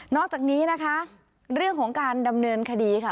อกจากนี้นะคะเรื่องของการดำเนินคดีค่ะ